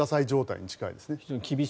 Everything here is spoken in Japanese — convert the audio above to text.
状態に近いですね。